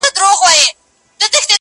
سپین وېښته راته پخوا منزل ښودلی!.